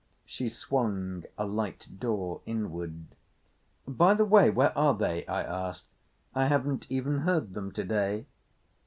She swung a light door inward. "By the way, where are they?" I asked. "I haven't even heard them to day."